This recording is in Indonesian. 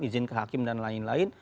izin ke hakim dan lain lain